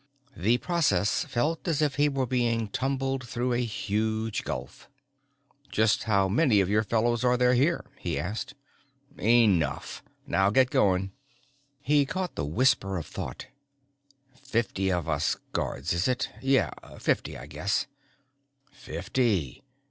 The process felt as if he were being tumbled through a huge gulf. "Just how many of your fellows are there here?" he asked. "Enough. Now get going!" He caught the whisper of thought fifty of us guards, is it? Yeah, fifty, I guess. Fifty!